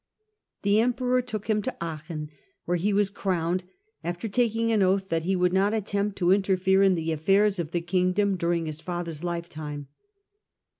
The omporor took him to Aachon, where he was crowned, after taking an oath that he would not attempt to interfere in the aflfairs of the kingdom during bis father's lifetime.